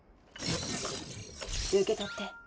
受け取って。